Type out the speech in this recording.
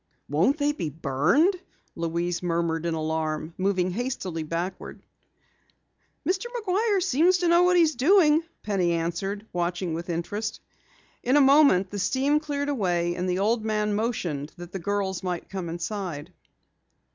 "Won't they be burned?" Louise murmured in alarm, moving hastily backwards. "Mr. McGuire seems to know what he's doing," Penny answered, watching with interest. In a moment the steam cleared away, and the old man motioned that the girls might come inside.